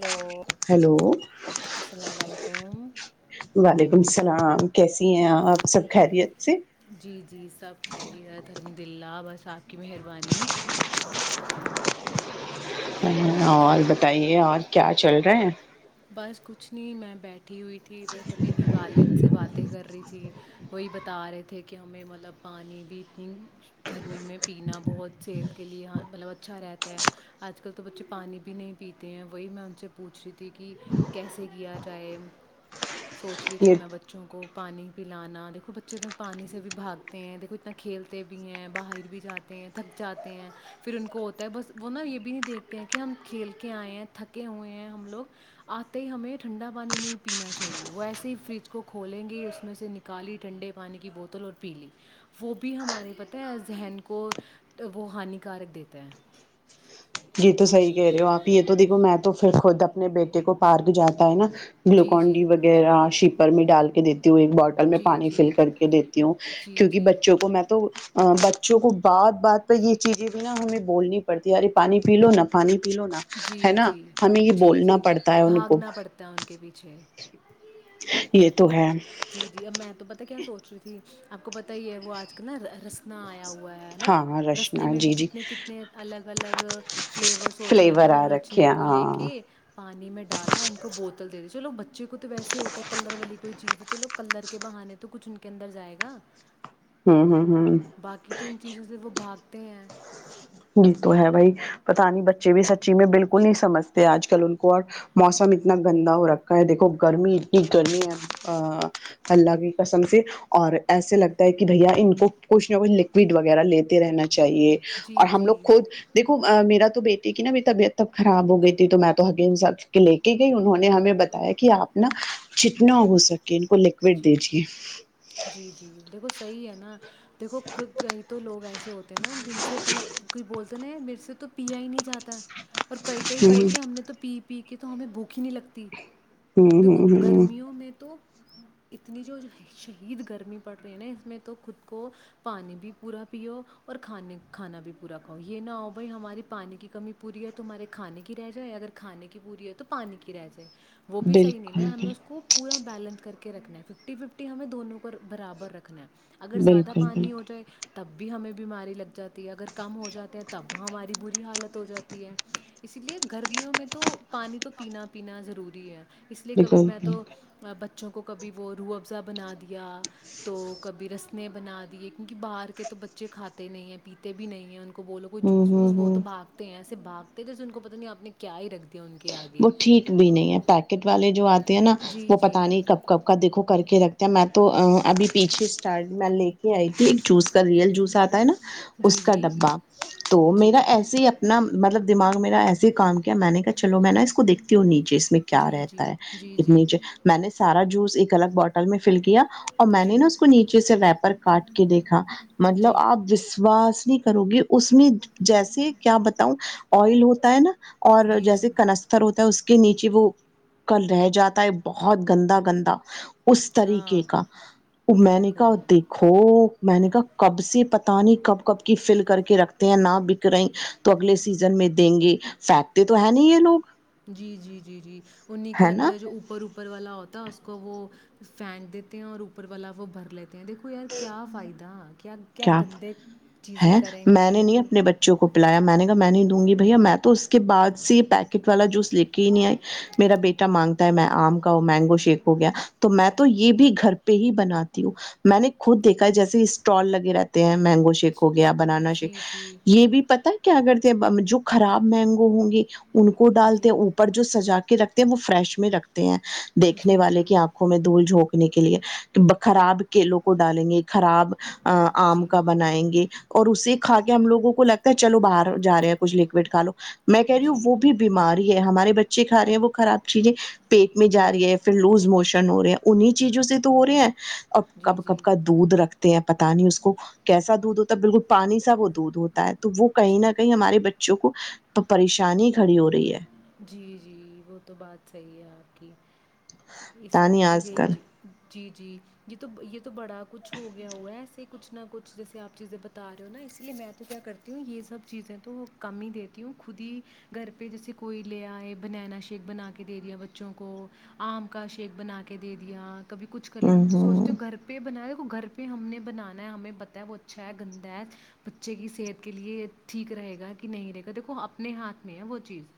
hello hello السلام علیکم وعلیکم السلام کیسی ہیں آپ سب خیریت سے جی جی ت کی مہربانی اور بتائیے اور کیا چل رہا ہیں بس کچھ نہیں میں بیٹھی ہوئی ٹھ ب ابھی نہیں والد سے باتیں کر رہی تھی وہی بتا رہے تھے کہ ہمیں مطلب پانی بھی اتنی گرمی میں پینا بہت صحت کے لیے مطلب اچھا رہتا ہے آج کل تو بچے پانی بھی نہیں پیتے ہیں وہی میں ان سے پوچھ رہی تھی کہ کیسے کیا جائے سوچ رہی یہ تھی میں بچوں کو پانی پلانا دیکھو بچے تو پانی سے بھی بھاگتے ہیں دیکھو اتنا کھیلتے بھی ہیں باہر بھی جاتے ہیں تھک جاتے ہیں پھر ان کو ہوتا ہے بس وہ نا یہ بھی نہیں دیکھتے ہیں کہ ہم کھیل کے آئے ہیں تھکے ہوئے ہیں ہم لوگ آتے ہی ہمیں ٹھنڈا پانی نہیں پینا چاہیے وہ ایسے ہی فریج کو کھولیں گے اس میں سے نکالی ٹھنڈے پانی کی بوتل اور پی لی وہ بھی ہمارے پتہ ہے ذہن کو وہ ہانیکارک دیتا ہے یہ تو صحیح کہہ رہے ہو آپ یہ تو دیکھو میں تو پھر خود اپنے بیٹے کو پارک جاتا ہے نا جی گلوکون جی ڈی وغیرہ شیپر میں ڈال کہ ہ ایک باٹل میں جی پانی فل جی کر کے دیتی ہوں جی کیونکہ جی بچوں کو میں تو بچ بچوں کو بات بات پر یہ چیزیں بھی نہا ہمیں بولنی پڑتی ہےارے پانی پی لو نہ پانی جی نا جی ہمیں یہ جی بولنا جی پڑتا ہے ان کو بھاگنا پڑتا ہے ان کے پیچھے میں یہ تو ہے جی جی اب میں تو پتا کیا سوچ رہی تھی آپ کو پت ہی ہے وہ آج کل نا رسنا آئے ہوا ہے نا ہاں ہاں رسنے رشنا میں بھی جی جی کتنے کتنے الگ الگ فلیورس ہوتے ہیں ان کا فلیور چ آ رکھے رچنے ہیں کو ہاں لے کے پانی میں ڈالا ان کو بوتل دے دی [unintelligible] ویسے ہی ہوتا ہے کلر والی کوئی چیز ہے چلو کلر کے بہانے تو کچھ ان کے اندر جائے گا ہاں ہاں باقی تو ان چیزوں سے وہ بھا تی ہیں یہ تو ہے بھائی پت نہیں بچے بھی سچی میں بالکل نہیں سمجھتے آج کل ان کو اور موسم اتنا گندا ہو رکھا ہے دیکھو گرمی اتنی گرمی ہے اللہ کی قسم سے اور ایسے لگتا ہے کہ بھیا ان کو کچھ نہ کچھ لکوڈ وغیرہ لیتے رہنا چاہیے جی، لوگ جی، خود دیکو میرا تو بیٹی کی نا طبیعت تب خراب ہو گئی تھی تو میں تو حگ سب لے کے گئی انہوں نے ہمیں بتایا کہ آپ نا چتنا ہو سک کہ ان کو لکوڈ جی دیجے جی جی دیکھو صحیح ہے نا دیکھو خود کہئی تو لوگ ایسے ہوتے ہیں نا جن سے مطلب کوئی بول تو نہیں میرے سے تو پیا ہی نہیں جاتا اور کئی کئی ہ بولتے ہیں ہم نے تو پی پی کے تو ہمیں بھوک ہی نہیں لگتی ہ دیکھو ہ ہ گرمیوں میں تو اتنی جو شہید گرمی پڑ رہی ہے نا اس میں تو خود کو پانی بھی پورا پیو اور کھانے کھانا بھی پورا کھاؤ یہ نہ ہو بھائی ہماری پانی کی کمی پوری ہے ت ہمارے کھانے کی رہ جائے اگر کھانے کی پوری ہے تو پانی کی رہ جائے وہ بھی صحیح نہیں بالکل نا ہمیں بالکل اس کو پورا بیلنس کر کے کے رکھنا ہے ففٹی ففٹی ہمیں دونوں کو برابر رکھنا ہے اگر زیادہ بالکل بالکل پانی ہو جائے تو تب بھی ہمیں بیماری لگ جاتی ہے اگر کم ہو جاتے ہیں تب ہماری بری حالت ہو جاتی ہے اسی لیے گرمیوں میں تو پانی تو پینا پینا ضروری ہے اس لیے کبھی بالکل میں تو بالکل بچ [unintelligible] کبھی وہ روح افزا بنا دیا یا تو کبھی رس نے بنا دی ہے کیونکہ باہر کے تو بچے کھاتے ہی نہیں ہیں پیتے بھی نہیں ہیں ان کو بولو کوئی ہوں جھس ہوں ووس وہ تو ہوں باگتے ہیں ایسے باگ تے تھے ان کو پتا نہیں آ نے کیا ہی رکھ دیا ان کے آگے وہ ٹھیک بھی نہیں ہے پیکٹ والے جو آ نا جی وہ پتا جی نہیں کب کب کا دیکو کر کے رکھتے ہیں میں تو تو ابھی پیچھے اسٹارٹ میں لے آئی تھی ایک جوس کا ریئل جوس آتا ہے نا اس جی کا جی ڈبا تو جی میرا ایسے ہی اپنا مطلب دماغ میرا ایسے ہی کام کیا میں نے کہ چلو میں نا اس کو دیکتی ہوں نیچے اس میں کیا جی رہتا ہے جی جی جی نیچے میں نے سارا جوس الگ باٹل میں فل کیا اور میں نے نا جی اس کو نیچے سے ریپر کاٹ کے دیکھا مطلب جی آپ وشواس نہیں کرو گی اس میں جیسے کیا بتاؤ آئل ہوتا ہوتا ہے نا اور جی جیسے جی کہ [unintelligible] ہوتا ہے اس کے نیچے وہ ک رہ جاتا ہے بہت گندا گندا [unintelligible] اس اچھا طریقے کا وہ میں نے دیکھو کہا دیکھو [unintelligible] میں نے کہا کب سے پت نہیں کب کب کی فل کر کے رکھتے ہیں نہ بک رہی تو اگلے سیزن میں دیں گے فھیکتے تو ہیں [unintelligible] نہیں یہ لوگ [unintelligible] جی جی جی جی انہیں کے ہے نا اندر جو اوپر اوپر والا ہوتا [unintelligible] اس کو وہ پھینک دیتے ہیں اور اوپر والا وہ بھر لیتے [unintelligible] ہیں دیکھو یار کیا فائد [unintelligible] کیاپ ہیں میں گے نے نہیں دیکھو اپنے بچوں کو پلایا میں نے کہا میں نہیں دوں گی [unintelligible] بھیا میں تو اس کے بعد سے یہ پیکٹ والا جوس لے کے ہی نہیں آئی میرا بیٹا مانگتا ہے میں آم کا مینگو شیک ہو گیا تو میں تو یہ بھی گھر پہ ہی بنات ہوں میں نے [unintelligible] خود دیکھا ہے جیسے اسٹال ل رہتے ہیں [unintelligible] مینگو شیک ہو گیا بنانا شیک جی جی یہ بھی پتا کیا اگر [unintelligible] جو خراب مینگو ہوں گے [unintelligible] ان کو ڈالتے جی اوپر جو سجا کے رکھتے [unintelligible] وہ فریش میں رکھتے ہیں [unintelligible] دیکھنے جی والے جی کی آنکھوں میں دھول جھونک [unintelligible] نے کے لیے کہ خراب کیلو کو ڈالیں گے خراب [unintelligible] آم جی جی کا بنائیں گے [unintelligible] اور اسے کا کے ہم لگوں کو لگتا ہے چلو باہر جا رہے ہیں کچھ لکوڈ کا لو [unintelligible] میں جی کری ہوں جی وہ بھی بیمار [unintelligible] ہے ہمارے بچے کھ رہے ہیں وہ خراب چیزیں [unintelligible] پیٹ میں جا جی رہی ہے پھر لوز موشن [unintelligible] ہو رہے ہیں انہیں چیزوں سے تو ہو رہے ہیں تو [unintelligible] اور جی کب کب جی کا دودھ رکھ [unintelligible] ت [unintelligible] پتا نہیں اس کو کیسا دودھ ہوتا ہے بالکل پانی سا وہ دودھ ہوتا ہے [unintelligible] تو وہ کہیں جی نہ کہیں ہمارے بچے [unintelligible] بچوں کو پریشانی کھڑی ہو رہی ہے [unintelligible] جی جی وہ تو بات صحیح ہے آپ کی [unintelligible] اسی لیے تانی تو آج یہی کل چ [unintelligible] جی جی یہ تو یہ تو بڑا کچھ ہو گیا ہوا ہے ایسے کچھ نہ کچھ جیسے آپ چیزیں بتا رہے ہو نا اسی لیے میں تو کیا کرتی ہوں یہ سب چیزیں تو کم ہی دیتی ہوں خود ہی گھر پہ جیسے [inaudible] کوئی لے آئے بنانا شیک بنا کے دے دیا بچوں کو آم کا شیک بنا کے دے دیا [inaudible] کبھی کچ کر لے ہ میں تو ہ سوچتے ہو گھر پہ بناائے گھر پہ [inaudible] پ ہم نے بنانا ہے ہمیں پتا ہے وہ اچھا ہے گندا ہے بچے کی صحت کے لیے ٹھیک رہے گا کہ نہیں رہے گا دیکھو اپنے ہاتھ میں ہے وہ چیز [inaudible]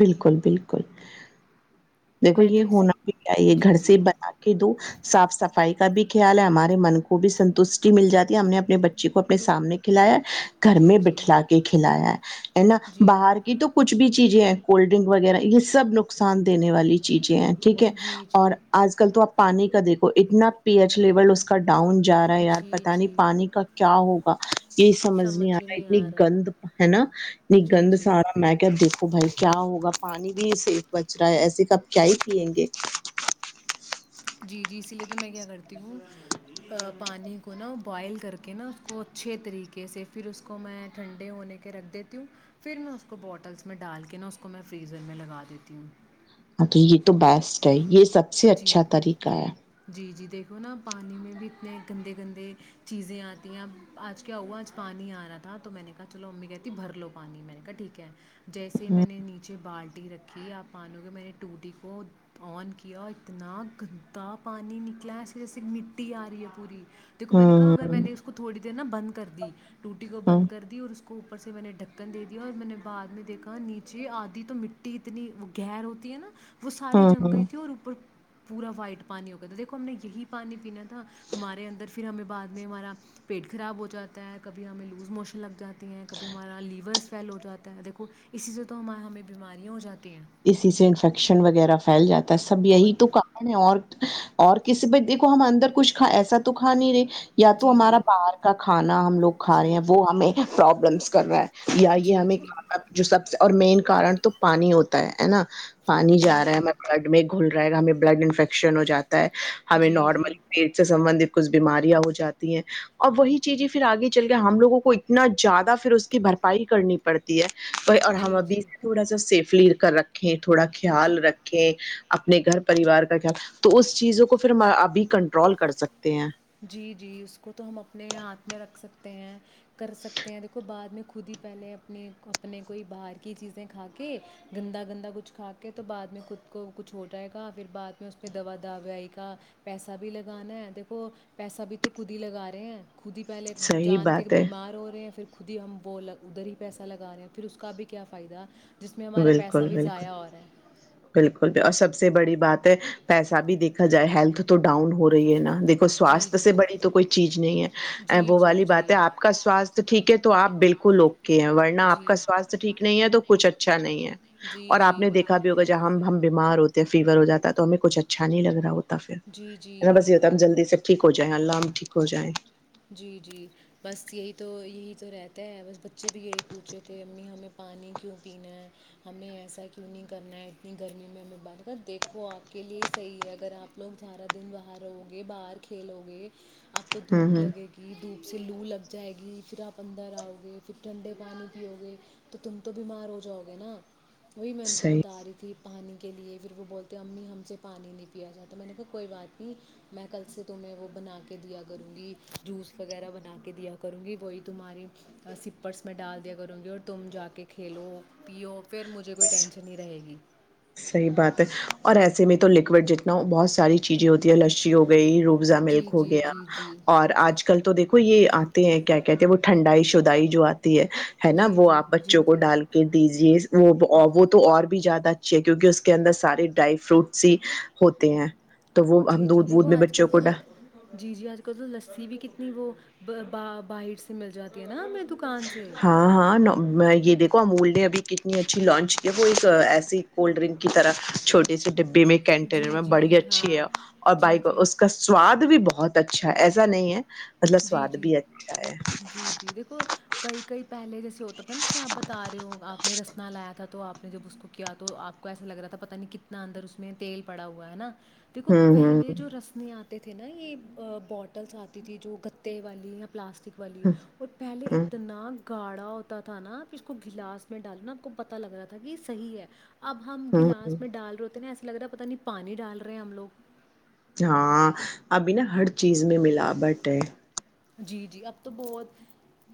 بالکل بالکل [inaudible] دیکھو میں تو یہ اسی ہونا بھی چاہی یہ جی گھر سے جی بنا کے دو صاف صفائی کا بھی خیال ہے ہمارے من کو بھی سنتشٹی مل جاتی ہے ہم نے اپنے بچے کو اپنے سامنے کھلایا گھر جی میں جی بٹھلا کے کھلایا ہے ہے نا جی باہر کی تو کچھ بھی چیزیں ہیں کولڈ ڈرنک وغیرہ یہ سب نقصان دینے والی چیزیں ہیں ٹھیک ہے جی اور جی آج کل تو آپ پانی کا دیکھو اتنا پی ایچ لیول اس کا ڈاؤن جا رہا ہے یار جی پتا جی نہیں پانی کا کیا ہوگا [inaudible] یہی سمجھ نہیں آ رہا اتنی گند ہے نانی جی گند جی سارا میں کیا دیکھ بھائی [inaudible] کیا ہوگا پانی بھی سےیف بچ رہا ہے ایسے کب کیا ہی پیئیں گے جی جی اسی لیے تو میں کیا کرتی ہوں پانی کو نا بوائل کر کے نا اس کو اچھے طریقے سے پھر اس کو میں ٹھنڈے ہونے کے رکھ دیتی ہوں پھر میں اس کو بٹلز میں ڈال کے نا اس کو میں فریزر میں لگا دیتی ہوں ہاں تو یہ تو کہ بیسٹ ہے یہ سب سے اچھا جی طریقہ کیا [inaudible] جی جی دیکھو نا پانی میں بھی اتنے گندے گندے چیزیں آتی ہیں اب آج کیا ہوا آج پانی آ رہا تھا تو میں نے کہا چلو امی کہتی بھر لو پانی میں نے کہا ٹھیک ہے جیسے ہ میں نے نیچے بالٹی رکھی آپ پانو کے میں نے ٹو ڈٹی کو آن کیا اتنا [inaudible] گندا پانی نکلاے اس جیسے مٹی آ رہی ہے پوری [inaudible] دیکو میں نے کہ اگر ہ میں نے اس کو تھوڑی نا بند کر دی ٹوٹی کو ہ بند کر دی اور اس کو اوپر سے میں نے ڈھکن دے دیا اور میں نے بعد میں دھا نیچے آدھی تو مٹی اتنی گہر ہوتی ہے نا وہ ساری ہ جنگ گئی ہ تھی اور اوپر پورا وائٹ پانی ہو گیا تھا دیکھو ہم نے یہی پانی پینا تھا ہمارے اندر پھر ہمیں بعد میں ہمارا پیٹ خراب ہو جاتا ہے کبھی ہمیں لوز موشن لگ جاتی ہیں کبھی ہمارا لیورس فیل ہو جاتا ہے دیکھو اسی سے تو ہم ہمیں بیماریاں ہو جاتی ہیں اسی سے انفیکشن وغیرہ پھیل جاتا سب اور یہی تو کیا کن ہے اور اور کسی ب دھو ہم اندر کچھ کھ ایسا تو کھا نہیں رہے یا تو جی ہمارا جی باہر کا کھانا ہم لوگ کھا رہے جی ہیں وہ ہمیں پربلمس کروائے [inaudible] یا یہ جی ہمیں جی جو سب [unintelligible] اور مین کارن تو پانی ہوتا ہے ہے نا پانی جا جی رہا ہے ہم جی گرڈ میں گل رہے گا ہمیں بلڈ انفکیکشن ہو جاتا ہمیں جی نارملی جی پیٹ سے سبندت کچھ بیماریاں ہو جاتی ہیں اور وہی چیزیں پھر آگے چل کے ہم لوگوں کو اتنا زیادہ پھر اس کی بھرپائی کرنی پڑتی ہے اور ہم جی ابھی سے جی تھوڑا سا سیف فلییر کر رکھیں تھوڑا جی خیال رکھے اپنے گھر پریوار کا کیا تو اس چیزوں کو پھر ہم ابھی کنٹرول کر سکتے ہیں جی جی اس کو تو ہم اپنے ہاتھ میں رکھ سکتے ہیں کر سکتے ہیں دیکھو بعد میں خود خود ہی پہلے اپنے اپنے کوئی باہر کی چیزیں کھا کے گندا گندا کچھ کھا کے تو بعد میں خود کو کچھ ہو جائے گا پھر بعد میں اس پہ دوا دوئی کا پیسہ بھی لگانا ہے دیکھو پیسہ بھی تو خود ہی لگا رہے ہیں خود ہی پہلے صحیح جان کے بات ہے بیمار ہو رہے ہیں پھر خود ہی ہم وہ ادھر ہی پیسہ لگا رہے ہیں پھر اس کا بھی کیا فائدہ جس میں ہمارا پیسہ بالکل بھی بالکل ضائع ہو رہا ہے بالکل سب سب سے بڑی بات ہے پیسہ بھی دیکھا جائے ہیلتھ تو ڈاؤن ہو رہی ہے نا دیکھو جی سواستھ سے بڑی تو کوئی چیز نہیں ہے ا جی وہ جی والی جی بات ہے آپ کا سوستھ ٹھیک ہے تو آپ بالکل کلو ہے ورنہپ کا ساستھ ٹھیک نہیں ہے تو کچھ اچھا اچھا نہیں ہے جی اور آپ جی نے دیکھا بھی ہوگا ج ہم ہم ب بیمار ہوتے ہیں فیور ہواتا ہے تو ہمیں کچھ اچھا نہیں لگ رہا ہوتا لگتا جی پھرا جی بس یہ ہوتا ہے ہم جلدی سے ٹھیک ہو جائیں اللہ ہم ٹھیک ہو جائیں جو رہتا ہے بس بچے بھی یہی پوچھ رہے تھے امی ہمیں پانی کیوں پینا ہے ہمیں ایسا کیوں نہیں کرنا ہے اتنی گرمی میں ہمیں بات کر دیکھو آپ کے لیے صحیح ہے اگر آپ لوگ زارا دن باہر رہو گے باہر کھیلو گے آپ کو ہوں دھوپ ہوں لگے گی دوپ سے لو لگ جائے گی پھر آپ اندر آؤ گے پھر ٹھنڈے پانی پیؤ گے تو تم تو بیمار ہو جاؤ گے نا وہی میں ان کو بتا رہی تھی پانی کے لیے پھر وہ بولتے ہیں امی ہم سے پانی نہیں پیا جاتا تو میں نے کہا کوئی بات نہیں میں کل سے تمہیں وہ بنا کے دیا کروں گی جوس وغیرہ بنا کے دیا کروں گی وہی تمہاری سپرس میں ڈال دیا کروں گی اور تم جا کے کھیلو پیو پھر مجھے کوئی صحیح ٹینشن نہیں رہے گی صحیح بات ہے اور ایسے میں تو لکوڈ جتنا ہو بہت ساری چیزیں ہوتی ہے لچی ہو گئی روبزا جی ملک ہو جی گیا جی جی اور آج کل تو دیکھ یہ آتے ہیں کیا کہتے ہیں وہ ٹھنڈائی شدائی جو آتی ہے نا جی وہ جی آپ جی بچوں کو جی ڈال کے دیجے وہ وہ تو اور بھی زیادہ ا کیونکہ اس کے اندر سارے ڈرائی فروٹس ہی ہوتے ہیں تو وہ ہم جی جی دودھ وودھ دیکھو میں آج بچوں کل کو تو ڈا جی جی آج کل تو لسی بھی کتنی وہ باہر سے مل جاتی ہے نا دکان سے ہاں ہاں یہ دیکھو امول نے ابھی کتنی اچھی لانچ کی وہ اس ایسی کولڈ ڈرنک کی طرح چھوے سی ڈبی بیم کینٹینر جی میں بڑی جی اچھی ہے ہاں اور بائی جی کو جی اس کا سواد بھی بہت اچھا ہے ایسا نہیں ہے مطلب جی سواد جی بھی اچھا ہے جی جی دیکھو کئی کئی پہلے جیسے ہوتا تھا نا جیے آپ بتا رہے ہو آپ نے رسنا لایا تھا تو آپ نے جب اس کو کیا تو آپ کو ایسا لگ رہا تھا پتاہ نہیں کتنا اندر اس میں تیل پڑا ہوا ہے نا دیکھو ہوں پہلے جو رسمیں آتے تھے نا یہ بوٹلس آتی تھی جو گ تے والییا پلاسٹک والی اور پہلے ہوں اتنا گاڑھا ہوتا تھا نا پھر اس کو گلاس میں ڈالناا آپ کو پت لگ رہا تھا کہ صحیح ہے اب ہم ہ ہ گلاس میں ڈال رہ ہوتے نا ایسا لگ رہا ہے پتا نہیں پانی ڈال رہے ہیں ہم لوگ ہاں ابھی نا ہر چیز میں ملاوٹ ہے جی جی اب تو بہت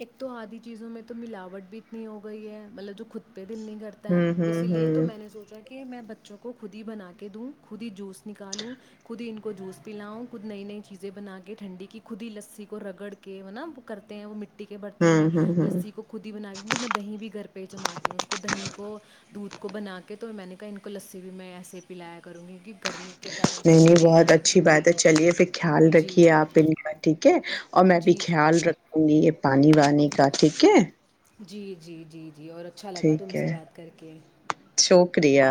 ایک تو آدھی چیزوں میں تو ملاوٹ بھی اتنی ہو گئی ہے مطلب جو خود دل نہیں کرتا ہے ہوں ہوں اسی لیے تو ہوں میں نے سوچا کہ میں بچ بچوں کو خود ہی بنا کے دوں خود ہی جوس نکالوں خود ہی ان کو جوس پلاؤ خود نئی نئی چیزیں بنا کے ٹھنڈی کی خود ہی لسی رگڑ کے م نا وہ کرتے ہیں وہ مٹی مٹی کے برن میں ہوں ہوں ہ لسی کو خود ہی بنا کے کیکہ میں دہی بھی گھر پہ ہی جماتی ہوں اس کو دہی کو دودھ کو بنا کے تو میں نے کہا ان کو لسی بھی میں ایسے پلایا کروں گی کہہ گرمی کے کارن تو نہیں ہمیں نہیں دینا ہے بہت بچوں اچھی کو بات ہے چلیے پھر خیال جی رکھیے آپ ان کا ٹھیک ہے اور میں بھی جی جی خیال رکھوں گی یہ پانی وانی کا ٹھیک ہے جی جی جی جی اور اچھا لگا تم ٹھیک سے ہے بات کر کے شکریہ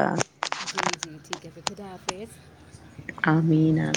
جی جی ٹھیک اوک پے خدا حافظ آمین